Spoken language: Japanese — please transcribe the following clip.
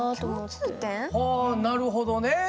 共通点？はあなるほどね。